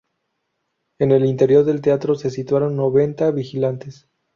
En el interior del teatro se situaron noventa vigilantes.